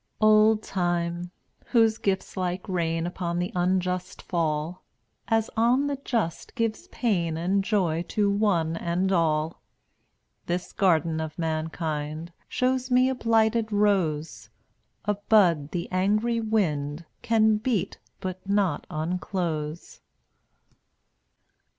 175 Old Time, whose gifts like rain Upon the unjust fall, As on the just, gives pain And joy to one and all. This garden of mankind Shows me a blighted rose, A bud the angry wind Can beat but not unclose.